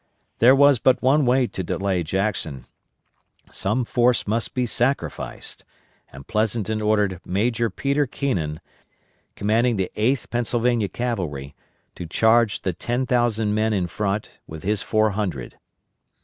There was but one way to delay Jackson, some force must be sacrificed, and Pleasonton ordered Major Peter Keenan, commanding the 8th Pennsylvania Cavalry, to charge the ten thousand men in front with his four hundred.